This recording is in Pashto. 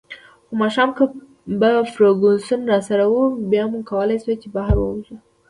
خو ماښام که به فرګوسن راسره وه، بیا مو کولای شوای چې بهر ووځو.